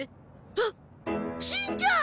あっしんちゃん！